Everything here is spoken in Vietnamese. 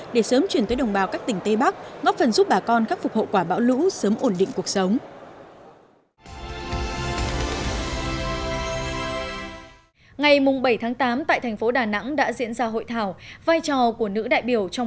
để sớm chuyển tới đồng bào các tỉnh tây bắc góp phần giúp bà con khắc phục hậu quả bão lũ sớm ổn định cuộc sống